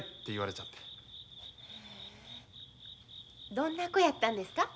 どんな子やったんですか？